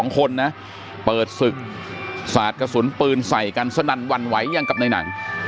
๒คนนะเปิดศึกสาดกระสุนปืนใส่กันสนั่นหวั่นไหวอย่างกับในหนัง